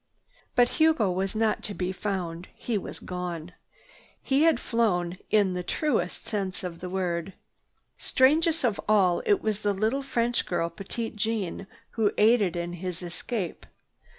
But Hugo was not to be found. He was gone. He had flown in the truest sense of the word. Strangest of all, it was the little French girl, Petite Jeanne, who aided in his escape.